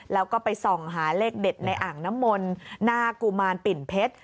แล้วก็ไปส่องหาเลขเด็ดในอ่างน้ำมนต์หน้ากุมารปิ่นเพชร